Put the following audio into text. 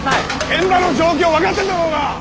現場の状況分かってんだろうが！